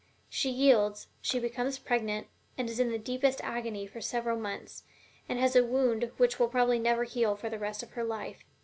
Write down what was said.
She yields, becomes pregnant, and is in the deepest agony for several months, and has a wound which will probably never heal for the rest of her life.